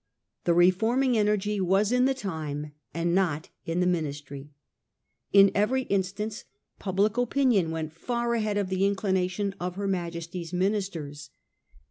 The reforming energy was in the time, and not in the Ministry. In every in stance public opinion went far ahead of the inclina tions of her Majesty's ministers.